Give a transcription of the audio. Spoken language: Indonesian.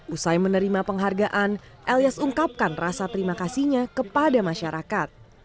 usai menerima penghargaan elias ungkapkan rasa terima kasihnya kepada masyarakat